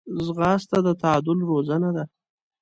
ځغاسته د تعادل روزنه ده